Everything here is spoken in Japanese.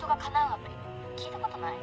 アプリ聞いたことない？